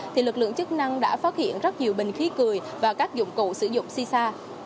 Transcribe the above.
thì lực lượng chức năng đã phát hiện rất nhiều bình khí cười và các dụng cụ sử dụng si sa